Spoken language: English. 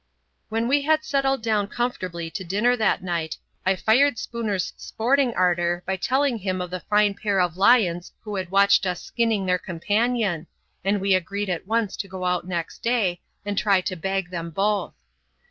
When we had settled down comfortably to dinner that night, I fired Spooner's sporting ardour by telling him of the fine pair of lions who had watched us skinning their companion, and we agreed at once to go out next day and try to bag them both.